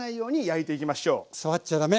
触っちゃ駄目！